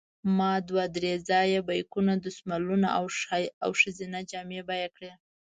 ما دوه درې ځایه بیکونه، دستمالونه او ښځینه جامې بیه کړې.